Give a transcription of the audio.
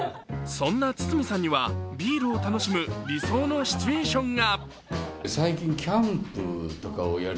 そんな堤さんにはビールを楽しむ理想のシチュエーションが。